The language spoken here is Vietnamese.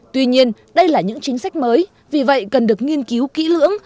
tuy nhiên đây là những chính sách mới vì vậy cần được nghiên cứu kỹ lưỡng